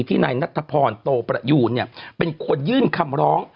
ที่ในนัฐพรโตประหยุดเนี่ยเป็นคนยื่นคำร้อง